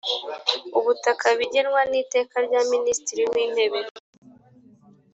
ubutaka bigenwa n Iteka rya Minisitiri w Intebe